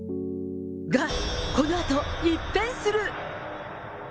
が、このあと一変する。。